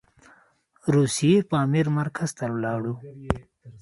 روسي پامیر مرکز ته ولاړو.